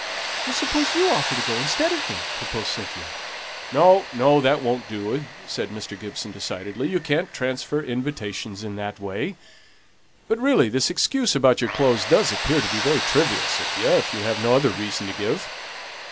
"Suppose you offer to go instead of me?" proposed Cynthia. "No, no! that won't do," said Mr. Gibson, decidedly. "You can't transfer invitations in that way. But, really, this excuse about your clothes does appear to be very trivial, Cynthia, if you have no other reason to give."